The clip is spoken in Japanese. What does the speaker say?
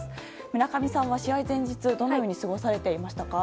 村上さんは試合前日どのように過ごしていましたか？